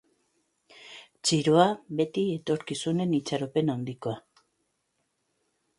Txiroa beti etorkizunen itxaropen handikoa.